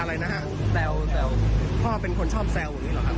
อะไรนะฮะแซวแต่พ่อเป็นคนชอบแซวอย่างนี้หรอครับ